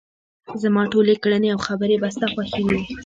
زما ټولې کړنې او خبرې به ستا خوښې وي.